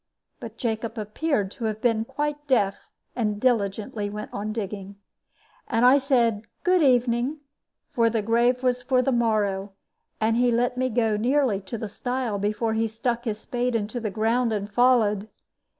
But Jacob appeared to have been quite deaf, and diligently went on digging. And I said "good evening," for the grave was for the morrow; and he let me go nearly to the stile before he stuck his spade into the ground and followed.